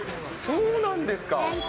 そうなんですか。